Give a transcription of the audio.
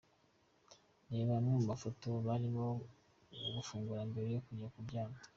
Reba amwe mu mafoto barimo gufungura mbere yo kujya kuryama.